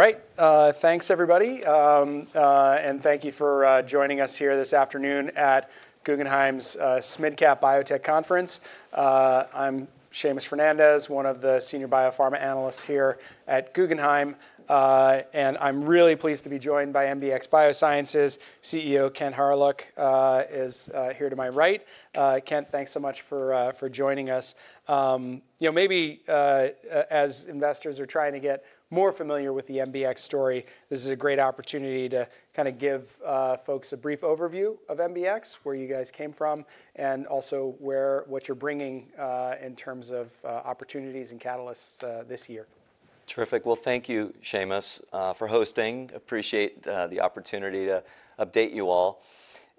Right. Thanks, everybody, and thank you for joining us here this afternoon at Guggenheim's SMID Cap Biotech Conference. I'm Seamus Fernandez, one of the senior biopharma analysts here at Guggenheim, and I'm really pleased to be joined by MBX Biosciences CEO Kent Hawryluk, who is here to my right. Kent, thanks so much for joining us. Maybe as investors are trying to get more familiar with the MBX story, this is a great opportunity to kind of give folks a brief overview of MBX, where you guys came from, and also what you're bringing in terms of opportunities and catalysts this year. Terrific. Thank you, Seamus, for hosting. Appreciate the opportunity to update you all.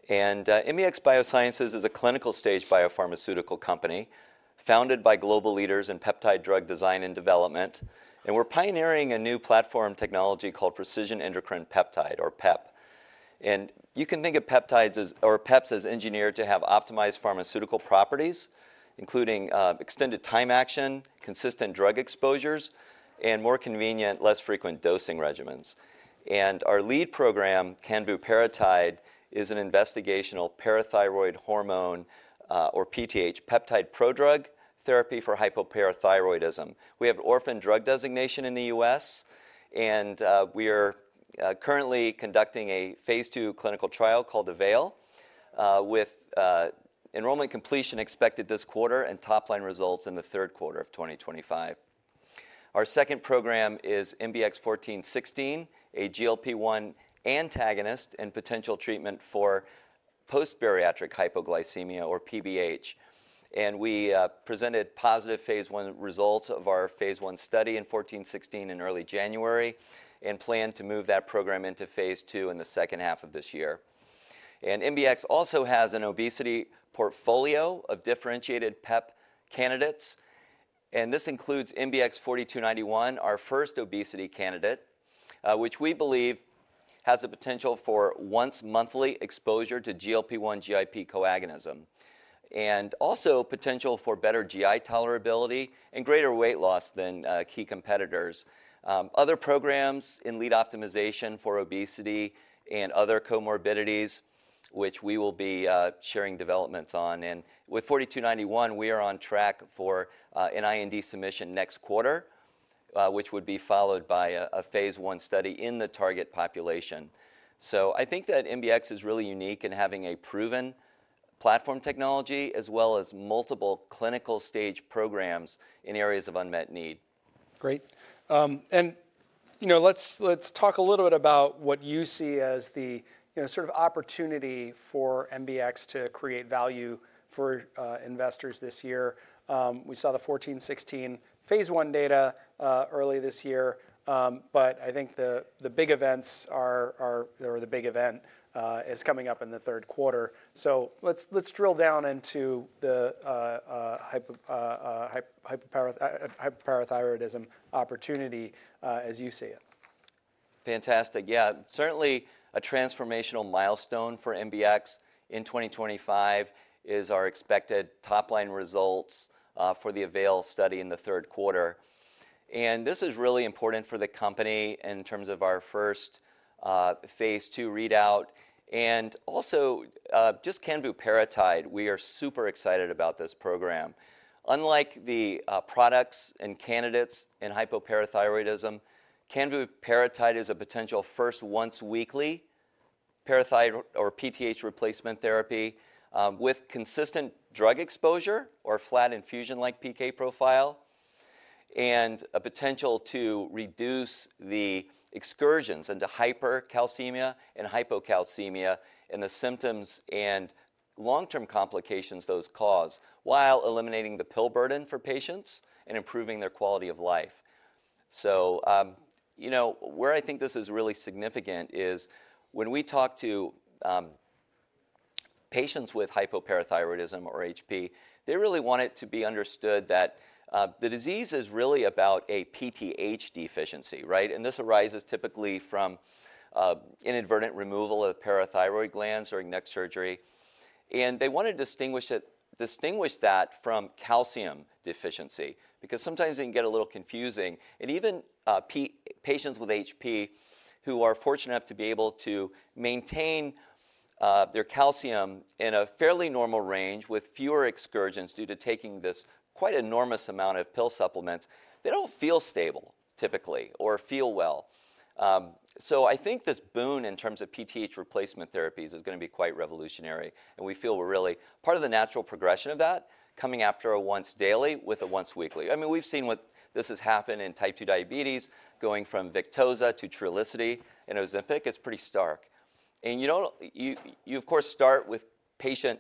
MBX Biosciences is a clinical-stage biopharmaceutical company founded by global leaders in peptide drug design and development. We're pioneering a new platform technology called Precision Endocrine Peptide, or PEP. You can think of peptides or PEPs as engineered to have optimized pharmaceutical properties, including extended time action, consistent drug exposures, and more convenient, less frequent dosing regimens. Our lead program, canvuparatide, is an investigational parathyroid hormone, or PTH, peptide prodrug therapy for hypoparathyroidism. We have orphan drug designation in the U.S. We are currently conducting a phase II clinical trial called AVAIL, with enrollment completion expected this quarter and top-line results in the third quarter of 2025. Our second program is MBX 1416, a GLP-1 antagonist and potential treatment for post-bariatric hypoglycemia, or PBH. And we presented positive phase I results of our phase I study in MBX 1416 in early January and plan to move that program into phase II in the second half of this year. And MBX also has an obesity portfolio of differentiated PEP candidates. And this includes MBX 4291, our first obesity candidate, which we believe has the potential for once-monthly exposure to GLP-1/GIP co-agonism, and also potential for better GI tolerability and greater weight loss than key competitors. Other programs in lead optimization for obesity and other comorbidities, which we will be sharing developments on. And with MBX 4291, we are on track for an IND submission next quarter, which would be followed by a phase I study in the target population. So I think that MBX is really unique in having a proven platform technology, as well as multiple clinical stage programs in areas of unmet need. Great. And let's talk a little bit about what you see as the sort of opportunity for MBX to create value for investors this year. We saw the 1416 phase I data early this year. But I think the big event is coming up in the third quarter. So let's drill down into the hypoparathyroidism opportunity as you see it. Fantastic. Yeah, certainly a transformational milestone for MBX in 2025 is our expected top line results for the AVAIL study in the third quarter. This is really important for the company in terms of our first phase II readout. Also just canvuparatide, we are super excited about this program. Unlike the products and candidates in hypoparathyroidism, canvuparatide is a potential first once-weekly parathyroid or PTH replacement therapy with consistent drug exposure or flat infusion-like PK profile, and a potential to reduce the excursions into hypercalcemia and hypocalcemia and the symptoms and long-term complications those cause while eliminating the pill burden for patients and improving their quality of life. Where I think this is really significant is when we talk to patients with hypoparathyroidism or HP, they really want it to be understood that the disease is really about a PTH deficiency, right? And this arises typically from inadvertent removal of parathyroid glands during neck surgery. And they want to distinguish that from calcium deficiency because sometimes it can get a little confusing. And even patients with HP who are fortunate enough to be able to maintain their calcium in a fairly normal range with fewer excursions due to taking this quite enormous amount of pill supplements, they don't feel stable typically or feel well. So I think this boon in terms of PTH replacement therapies is going to be quite revolutionary. And we feel we're really part of the natural progression of that coming after a once daily with a once weekly. I mean, we've seen what this has happened in type two diabetes going from Victoza to Trulicity and Ozempic. It's pretty stark. You, of course, start with patient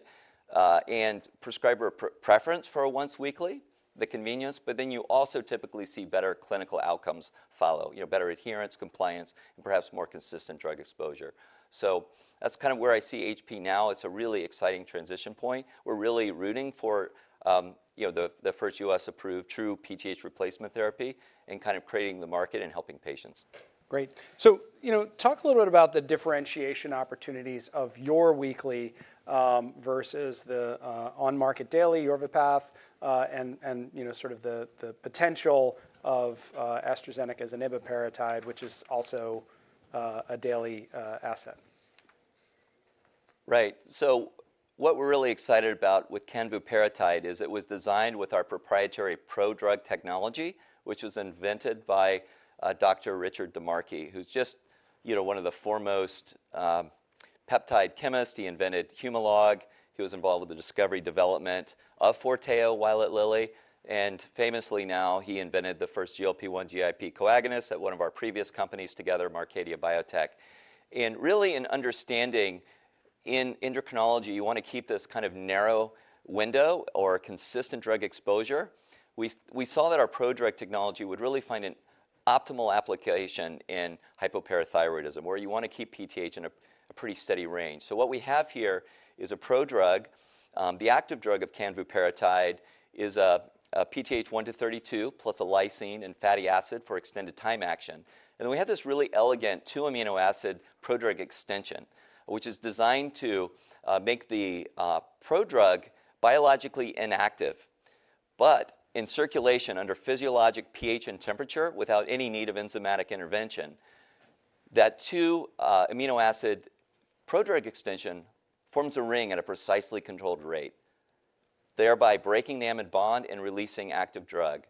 and prescriber preference for a once weekly, the convenience, but then you also typically see better clinical outcomes follow, better adherence, compliance, and perhaps more consistent drug exposure. That's kind of where I see HP now. It's a really exciting transition point. We're really rooting for the first U.S.-approved true PTH replacement therapy and kind of creating the market and helping patients. Great. So talk a little bit about the differentiation opportunities of your weekly versus the on-market daily, Yorvipath, and sort of the potential of AstraZeneca's eneboparatide, which is also a daily asset. Right. So what we're really excited about with canvuparatide is it was designed with our proprietary prodrug technology, which was invented by Dr. Richard DiMarchi, who's just one of the foremost peptide chemists. He invented Humalog. He was involved with the discovery development of Forteo, Eli Lilly. And famously now, he invented the first GLP-1 GIP coagonist at one of our previous companies together, Marcadia Biotech. And really in understanding in endocrinology, you want to keep this kind of narrow window or consistent drug exposure. We saw that our prodrug technology would really find an optimal application in hypoparathyroidism, where you want to keep PTH in a pretty steady range. So what we have here is a prodrug. The active drug of canvuparatide is a PTH 1 to 32 plus a lysine and fatty acid for extended time action. And then we have this really elegant two amino acid prodrug extension, which is designed to make the prodrug biologically inactive, but in circulation under physiologic pH and temperature without any need of enzymatic intervention. That two amino acid prodrug extension forms a ring at a precisely controlled rate, thereby breaking the amide bond and releasing active drug,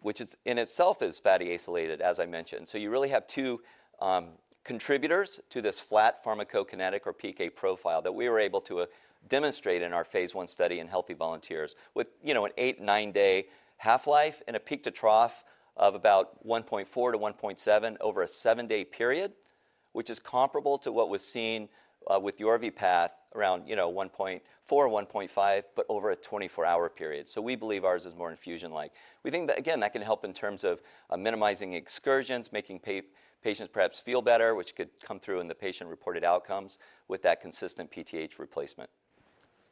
which in itself is fatty acylated, as I mentioned. So you really have two contributors to this flat pharmacokinetic or PK profile that we were able to demonstrate in our phase I study in healthy volunteers with an eight- or nine-day half-life and a peak to trough of about 1.4-1.7 over a seven-day period, which is comparable to what was seen with Yorvipath around 1.4-1.5, but over a 24-hour period. So we believe ours is more infusion-like. We think that, again, that can help in terms of minimizing excursions, making patients perhaps feel better, which could come through in the patient-reported outcomes with that consistent PTH replacement.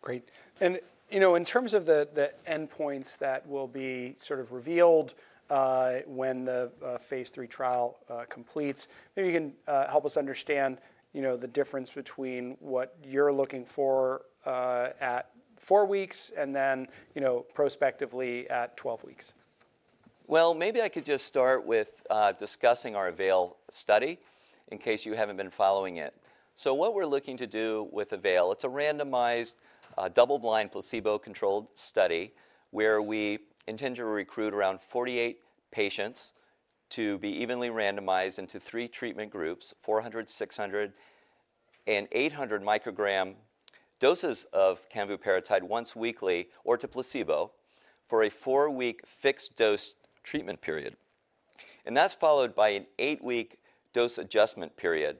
Great. And in terms of the endpoints that will be sort of revealed when the phase III trial completes, maybe you can help us understand the difference between what you're looking for at 4 weeks and then prospectively at 12 weeks. Maybe I could just start with discussing our AVAIL study in case you haven't been following it. What we're looking to do with AVAIL, it's a randomized double-blind placebo-controlled study where we intend to recruit around 48 patients to be evenly randomized into three treatment groups, 400, 600, and 800 microgram doses of canvuparatide once weekly or to placebo for a four-week fixed dose treatment period. That's followed by an eight-week dose adjustment period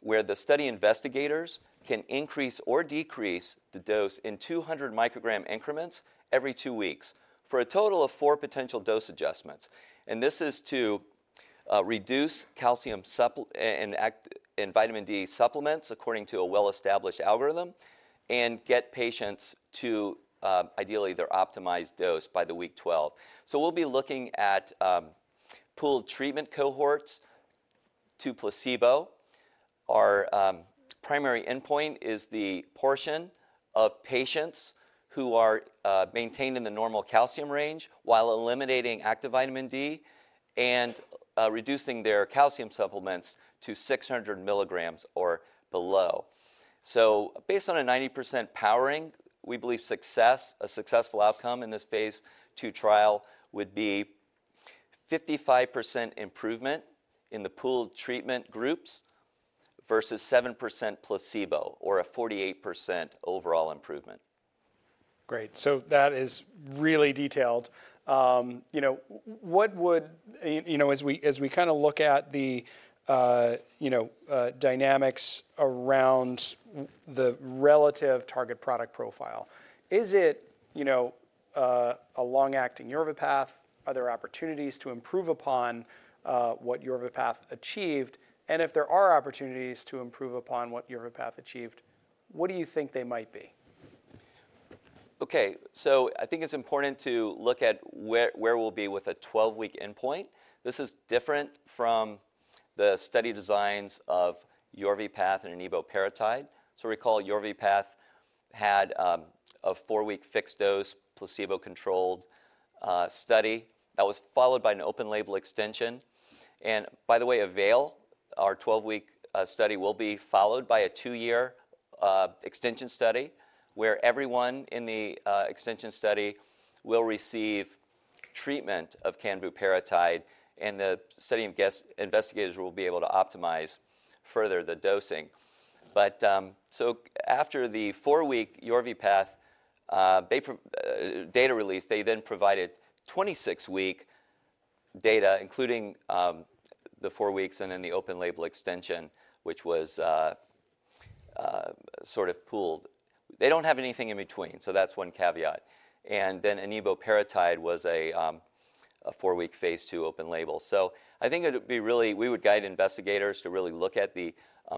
where the study investigators can increase or decrease the dose in 200 microgram increments every two weeks for a total of four potential dose adjustments. This is to reduce calcium and vitamin D supplements according to a well-established algorithm and get patients to ideally their optimized dose by the week 12. We'll be looking at pooled treatment cohorts to placebo. Our primary endpoint is the portion of patients who are maintained in the normal calcium range while eliminating active vitamin D and reducing their calcium supplements to 600 milligrams or below. So based on a 90% powering, we believe success, a successful outcome in this phase II trial would be 55% improvement in the pooled treatment groups versus 7% placebo or a 48% overall improvement. Great. So that is really detailed. As we kind of look at the dynamics around the relative target product profile, is it a long-acting Yorvipath? Are there opportunities to improve upon what Yorvipath achieved? And if there are opportunities to improve upon what Yorvipath achieved, what do you think they might be? Okay. So I think it's important to look at where we'll be with a 12-week endpoint. This is different from the study designs of Yorvipath and eneboparatide. So recall Yorvipath had a four-week fixed dose placebo-controlled study that was followed by an open label extension. And by the way, AVAIL, our 12-week study will be followed by a two-year extension study where everyone in the extension study will receive treatment of canvuparatide. And the study investigators will be able to optimize further the dosing. So after the four-week Yorvipath data release, they then provided 26-week data, including the four weeks and then the open label extension, which was sort of pooled. They don't have anything in between. So that's one caveat. And then eneboparatide was a four-week phase II open label. So, I think it would be really. We would guide investigators to really look at the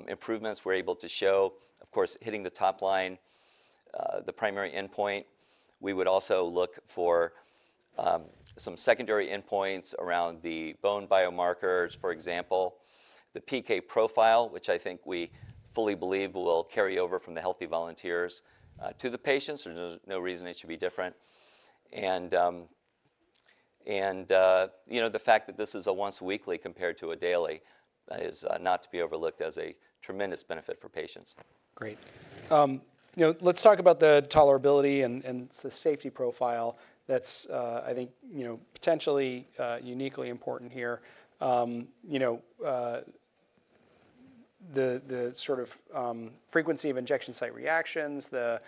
improvements we're able to show. Of course, hitting the top line, the primary endpoint, we would also look for some secondary endpoints around the bone biomarkers, for example, the PK profile, which I think we fully believe will carry over from the healthy volunteers to the patients. There's no reason it should be different. And the fact that this is a once weekly compared to a daily is not to be overlooked as a tremendous benefit for patients. Great. Let's talk about the tolerability and the safety profile that's, I think, potentially uniquely important here. The sort of frequency of injection site reactions, the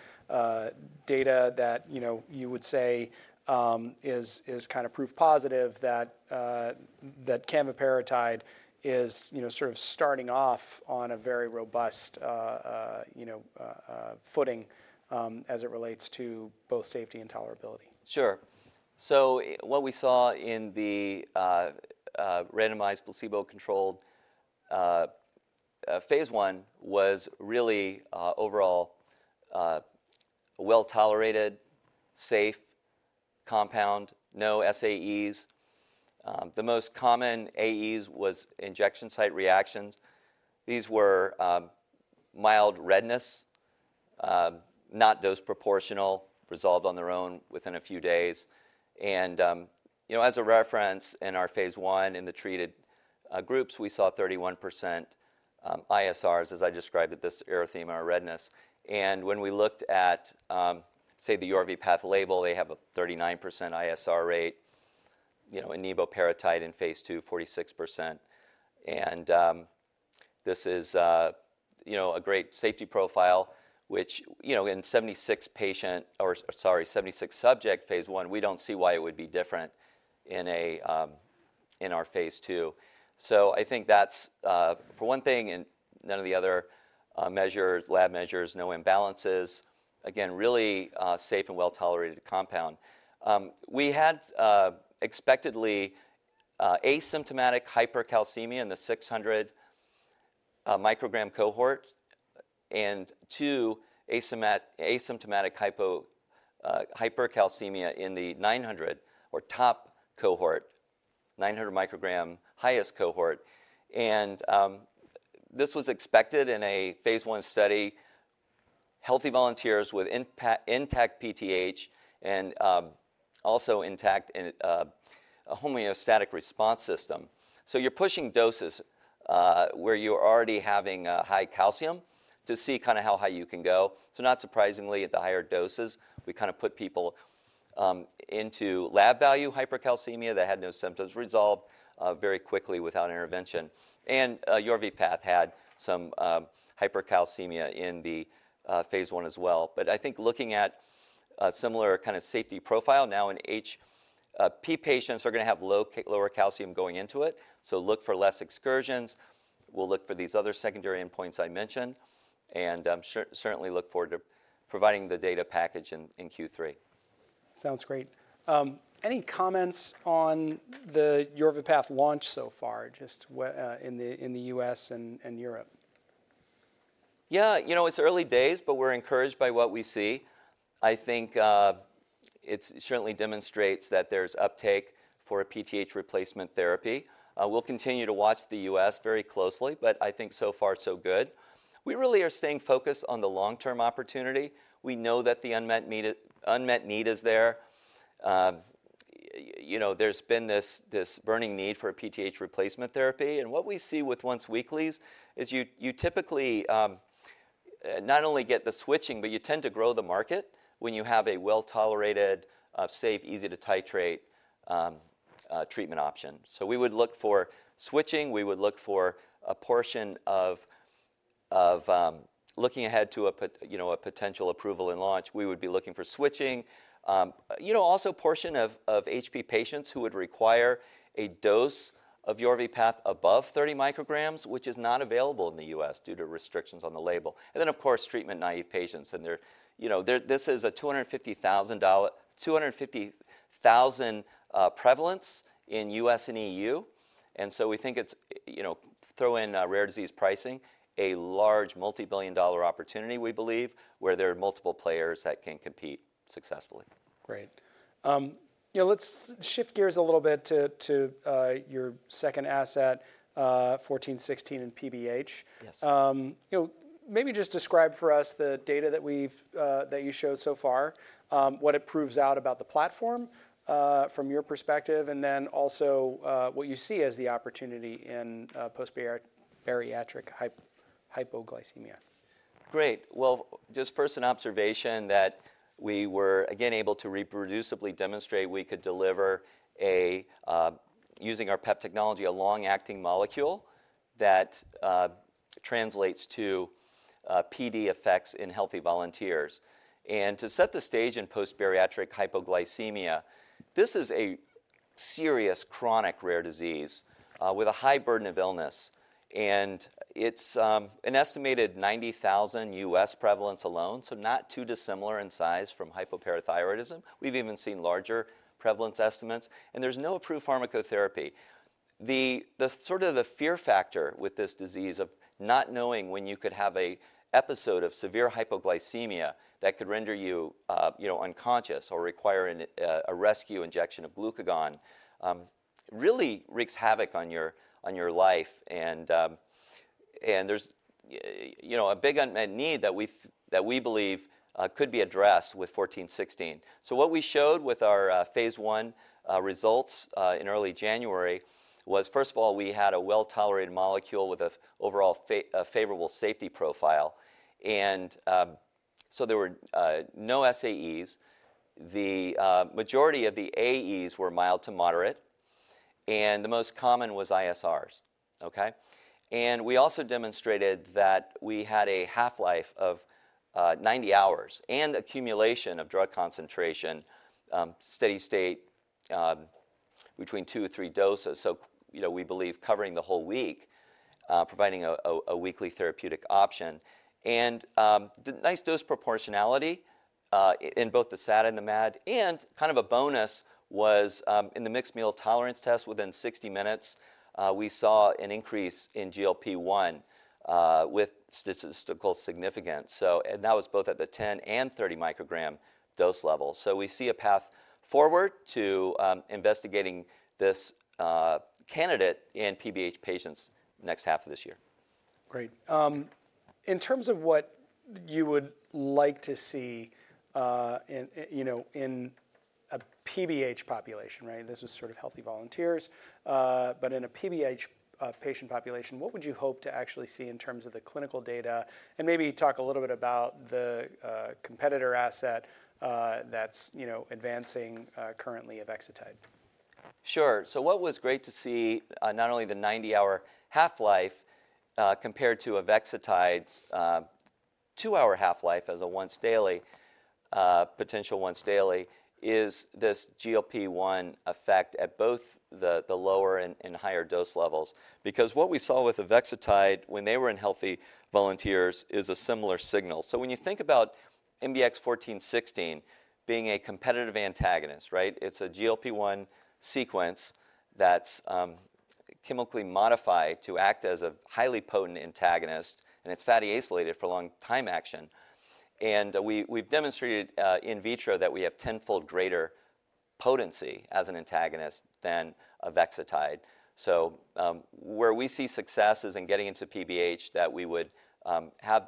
data that you would say is kind of proof positive that canvuparatide is sort of starting off on a very robust footing as it relates to both safety and tolerability. Sure. So what we saw in the randomized placebo-controlled phase I was really overall well-tolerated, safe compound, no SAEs. The most common AEs was injection site reactions. These were mild redness, not dose proportional, resolved on their own within a few days. And as a reference, in our phase I in the treated groups, we saw 31% ISRs, as I described it, this erythema or redness. And when we looked at, say, the Yorvipath label, they have a 39% ISR rate. Eneboparatide in phase II, 46%. And this is a great safety profile, which in 76-subject phase I, we don't see why it would be different in our phase II. So I think that's for one thing and none of the other measures, lab measures, no imbalances. Again, really safe and well-tolerated compound. We had expectedly asymptomatic hypercalcemia in the 600-microgram cohort and two asymptomatic hypercalcemia in the 900- or top cohort, 900-microgram highest cohort. This was expected in a phase I study, healthy volunteers with intact PTH and also intact homeostatic response system. You're pushing doses where you're already having high calcium to see kind of how high you can go. Not surprisingly, at the higher doses, we kind of put people into lab value hypercalcemia that had no symptoms, resolved very quickly without intervention. Yorvipath had some hypercalcemia in the phase I as well. I think looking at a similar kind of safety profile, now in HP patients are going to have lower calcium going into it. Look for less excursions. We'll look for these other secondary endpoints I mentioned and certainly look forward to providing the data package in Q3. Sounds great. Any comments on the Yorvipath launch so far just in the U.S. and Europe? Yeah. It's early days, but we're encouraged by what we see. I think it certainly demonstrates that there's uptake for a PTH replacement therapy. We'll continue to watch the U.S. very closely, but I think so far so good. We really are staying focused on the long-term opportunity. We know that the unmet need is there. There's been this burning need for a PTH replacement therapy. And what we see with once weeklies is you typically not only get the switching, but you tend to grow the market when you have a well-tolerated, safe, easy to titrate treatment option. So we would look for switching. We would look for a portion of looking ahead to a potential approval and launch. We would be looking for switching. Also, a portion of HP patients who would require a dose of Yorvipath above 30 micrograms, which is not available in the U.S. due to restrictions on the label. And then, of course, treatment-naive patients. And this is a $250,000 prevalence in U.S. and EU. And so we think it's throw in rare disease pricing, a large multi-billion-dollar opportunity, we believe, where there are multiple players that can compete successfully. Great. Let's shift gears a little bit to your second asset, 1416 and PBH. Maybe just describe for us the data that you showed so far, what it proves out about the platform from your perspective, and then also what you see as the opportunity in post-bariatric hypoglycemia. Great. Well, just first, an observation that we were again able to reproducibly demonstrate we could deliver using our PEP technology, a long-acting molecule that translates to PD effects in healthy volunteers, and to set the stage in post-bariatric hypoglycemia, this is a serious chronic rare disease with a high burden of illness, and it's an estimated 90,000 U.S. prevalence alone, so not too dissimilar in size from hypoparathyroidism. We've even seen larger prevalence estimates, and there's no approved pharmacotherapy. Sort of the fear factor with this disease of not knowing when you could have an episode of severe hypoglycemia that could render you unconscious or require a rescue injection of glucagon really wreaks havoc on your life, and there's a big unmet need that we believe could be addressed with 1416. So what we showed with our phase I results in early January was, first of all, we had a well-tolerated molecule with an overall favorable safety profile. And so there were no SAEs. The majority of the AEs were mild to moderate. And the most common was ISRs. And we also demonstrated that we had a half-life of 90 hours and accumulation of drug concentration, steady state between two or three doses. So we believe covering the whole week, providing a weekly therapeutic option. And nice dose proportionality in both the SAD and the MAD. And kind of a bonus was in the mixed meal tolerance test, within 60 minutes, we saw an increase in GLP-1 with statistical significance. And that was both at the 10- and 30-microgram dose level. So we see a path forward to investigating this candidate in PBH patients next half of this year. Great. In terms of what you would like to see in a PBH population, this was sort of healthy volunteers, but in a PBH patient population, what would you hope to actually see in terms of the clinical data? And maybe talk a little bit about the competitor asset that's advancing currently of avexitide. Sure. So what was great to see, not only the 90-hour half-life compared to avexitide's two-hour half-life as a once daily, potential once daily, is this GLP-1 effect at both the lower and higher dose levels. Because what we saw with avexitide when they were in healthy volunteers is a similar signal. So when you think about MBX 1416 being a competitive antagonist, it's a GLP-1 sequence that's chemically modified to act as a highly potent antagonist. And it's fatty acylated for long-time action. And we've demonstrated in vitro that we have tenfold greater potency as an antagonist than avexitide. So where we see success is in getting into PBH that we would have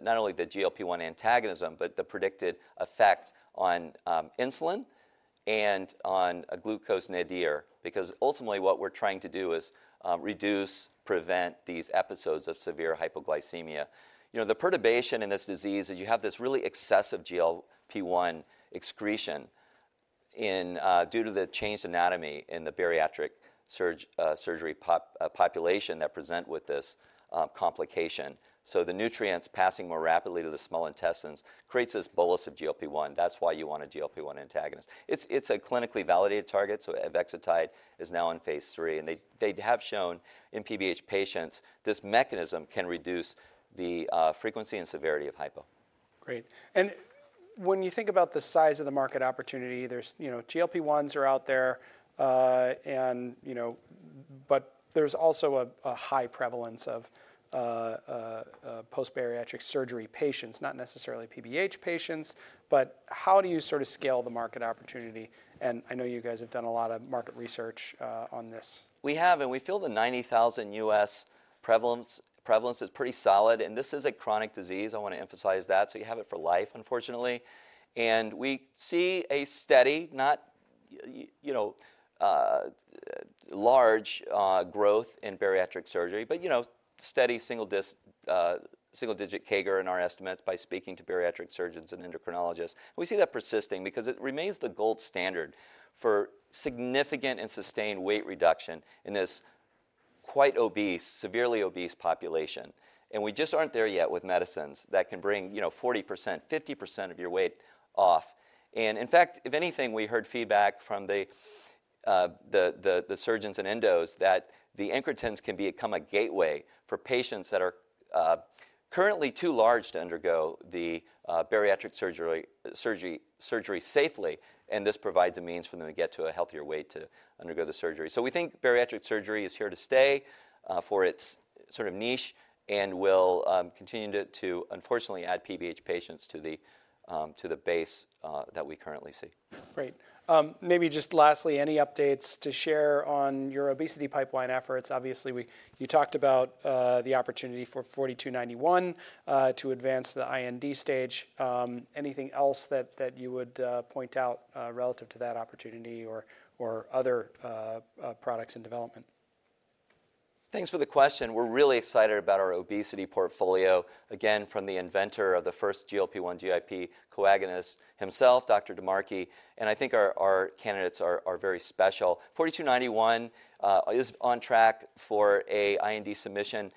not only the GLP-1 antagonism, but the predicted effect on insulin and on a glucose nadir. Because ultimately, what we're trying to do is reduce, prevent these episodes of severe hypoglycemia. The perturbation in this disease is you have this really excessive GLP-1 excretion due to the changed anatomy in the bariatric surgery population that present with this complication. So the nutrients passing more rapidly to the small intestines creates this bolus of GLP-1. That's why you want a GLP-1 antagonist. It's a clinically validated target. So avexitide is now in phase III. And they have shown in PBH patients this mechanism can reduce the frequency and severity of hypo. Great. And when you think about the size of the market opportunity, there are GLP-1s out there. But there's also a high prevalence of post-bariatric surgery patients, not necessarily PBH patients. But how do you sort of scale the market opportunity? And I know you guys have done a lot of market research on this. We have. And we feel the 90,000 U.S. prevalence is pretty solid. And this is a chronic disease. I want to emphasize that. So you have it for life, unfortunately. And we see a steady, not large growth in bariatric surgery, but steady single-digit CAGR in our estimates by speaking to bariatric surgeons and endocrinologists. We see that persisting because it remains the gold standard for significant and sustained weight reduction in this quite obese, severely obese population. And we just aren't there yet with medicines that can bring 40%, 50% of your weight off. And in fact, if anything, we heard feedback from the surgeons in endos that the Incretins can become a gateway for patients that are currently too large to undergo the bariatric surgery safely. And this provides a means for them to get to a healthier weight to undergo the surgery. We think bariatric surgery is here to stay for its sort of niche and will continue to, unfortunately, add PBH patients to the base that we currently see. Great. Maybe just lastly, any updates to share on your obesity pipeline efforts? Obviously, you talked about the opportunity for 4291 to advance the IND stage. Anything else that you would point out relative to that opportunity or other products in development? Thanks for the question. We're really excited about our obesity portfolio. Again, from the inventor of the first GLP-1/GIP co-agonist himself, Dr. DiMarchi, I think our candidates are very special. 4291 is on track for an IND submission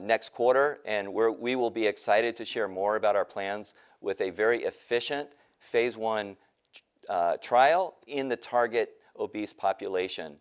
next quarter. We will be excited to share more about our plans with a very efficient phase I trial in the target obese population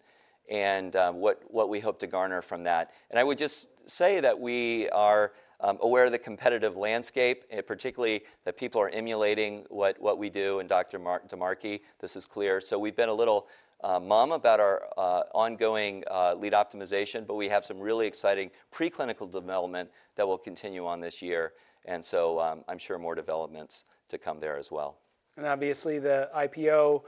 and what we hope to garner from that. I would just say that we are aware of the competitive landscape, particularly that people are emulating what we do and Dr. DiMarchi. This is clear. We've been a little mum about our ongoing lead optimization, but we have some really exciting preclinical development that we'll continue on this year. I'm sure more developments to come there as well. Obviously, the IPO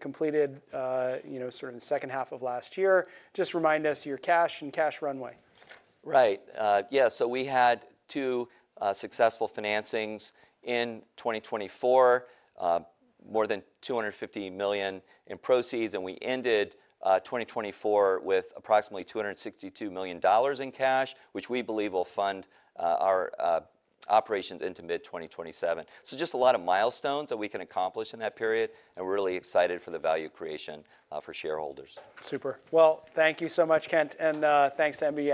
completed sort of the second half of last year. Just remind us your cash and cash runway? Right. Yeah. So we had two successful financings in 2024, more than $250 million in proceeds. And we ended 2024 with approximately $262 million in cash, which we believe will fund our operations into mid-2027. So just a lot of milestones that we can accomplish in that period. And we're really excited for the value creation for shareholders. Super. Well, thank you so much, Kent, and thanks to MBX.